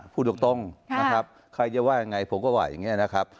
พูดตรงนะครับใครจะว่ายังไงผมก็ว่าอย่างนี้นะครับ